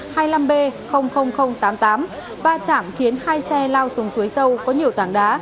tại khu vực tốc độ lạnh nhất là một mươi sáu tám mươi tám và chảm khiến hai xe lao xuống suối sâu có nhiều tảng đá